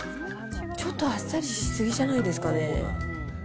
ちょっとあっさりしすぎじゃないですかね。